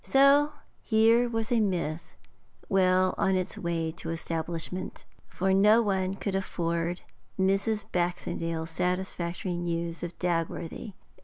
So here was a myth well on its way to establishment. For no one could afford Mrs. Baxendale satisfactory news of Dagworthy.